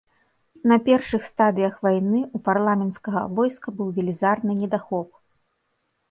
На першых стадыях вайны ў парламенцкага войска быў велізарны недахоп.